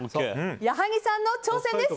矢作さんの挑戦です。